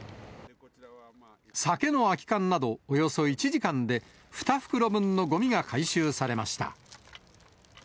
酒の空き缶などおよそ１時間で２袋分のごみが回収されました。